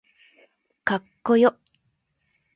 かっこよ